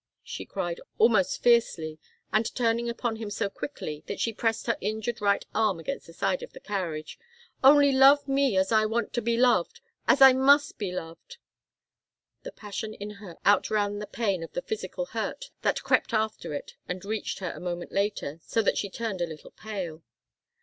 she cried, almost fiercely, and turning upon him so quickly that she pressed her injured right arm against the side of the carriage. "Only love me as I want to be loved as I must be loved " The passion in her outran the pain of the physical hurt, that crept after it and reached her a moment later, so that she turned a little pale.